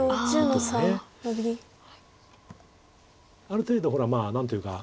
ある程度ほら何というか。